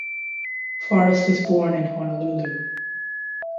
Forest was born in Honolulu.